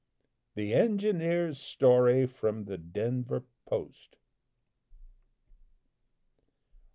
THE ENGINEER'S STORY. (_From the "Denver Post."